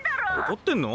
怒ってんの？